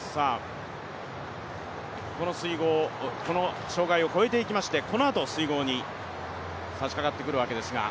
この障害を越えていきましてこのあと水濠に差しかかっていくわけですが。